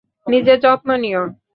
নিজের যত্ন নিও।